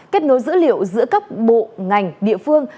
kết nối dữ liệu giữa các bộ ngành địa phương